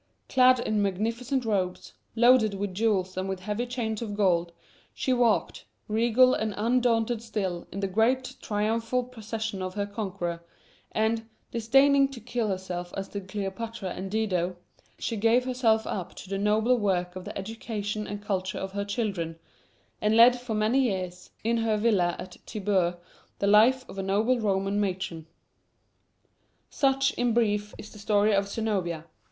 Clad in magnificent robes, loaded with jewels and with heavy chains of gold, she walked, regal and undaunted still, in the great triumphal procession of her conqueror, and, disdaining to kill herself as did Cleopatra and Dido, she gave herself up to the nobler work of the education and culture of her children, and led for many years, in her villa at Tibur, the life of a noble Roman matron. Such, in brief, is the story of Zenobia.